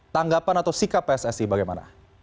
tanggapan atau sikap pssi bagaimana